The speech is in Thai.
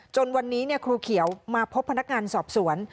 จนวันนี้ครูเขียวมาพบพนักงานสอบสวน